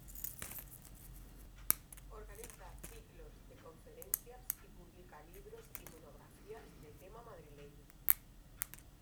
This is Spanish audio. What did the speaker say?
Organiza ciclos de conferencias y publica libros y monografías de tema madrileño.